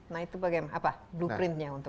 nah itu bagaimana apa blueprintnya